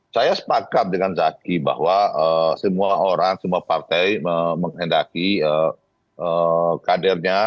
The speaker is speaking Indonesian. saya sepakat dengan zaki bahwa semua orang semua partai menghendaki kadernya